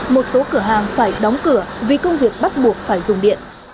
một số cửa hàng phải đóng cửa vì công việc bắt buộc phải dùng điện